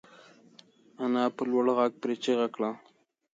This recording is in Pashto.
انا په لوړ غږ پرې چیغه کړه.